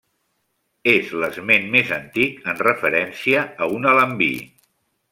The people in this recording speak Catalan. És l'esment més antic en referència a un alambí.